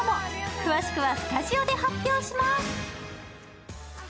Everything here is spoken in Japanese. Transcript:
詳しくはスタジオで発表します。